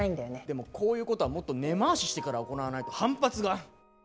でもこういうことはもっと根回ししてから行わないと反発が。